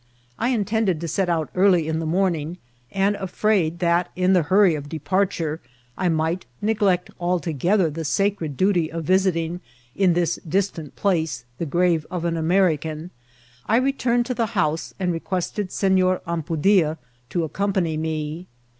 I in tended to set out early in the morning ; and afraid that, in the hurry of departure, I might neglect altogether the sacred duty of visiting, in this distant place, the grave of an American, I returned to the house and requested Senor Ampudia to accompany me.